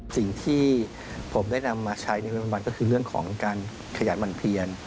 สิ่งที่ผมได้นำมาใช้ก็คือเรื่องของการขยันหมั่นเพียน